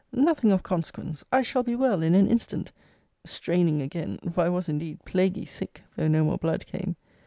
nothing of consequence! I shall be well in an instant! Straining again! for I was indeed plaguy sick, though no more blood came.